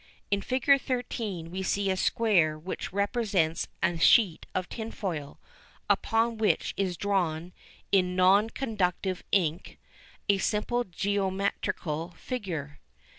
In Fig. 13 we see a square which represents a sheet of tinfoil, upon which is drawn, in non conductive ink, a simple geometrical figure.